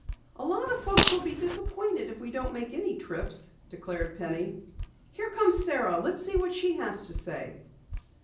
"A lot of folks will be disappointed if we don't make any trips," declared Penny. "Here comes Sara. Let's see what she has to say."